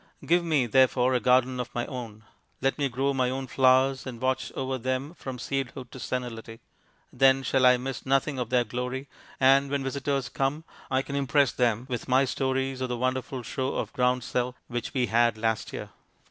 Give me, therefore, a garden of my own. Let me grow my own flowers, and watch over them from seedhood to senility. Then shall I miss nothing of their glory, and when visitors come I can impress them with my stories of the wonderful show of groundsel which we had last year.